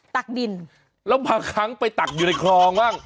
ตักดินแล้วบางครั้งไปตักอยู่ในคลองบ้าง